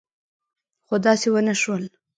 خو داسې ونه شول.